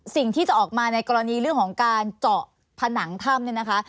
สิ่งที่จะออกมาในกรณีเรื่องของการเจาะผนังถ้ำเนี่ยนะคะ